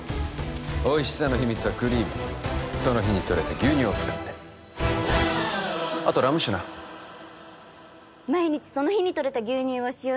おいしさの秘密はクリームその日にとれた牛乳を使ってあとラム酒な毎日その日にとれた牛乳を使用し